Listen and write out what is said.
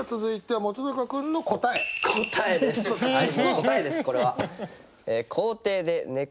もう答えですこれは。